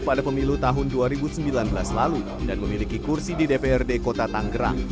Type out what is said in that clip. pada pemilu tahun dua ribu sembilan belas lalu dan memiliki kursi di dprd kota tanggerang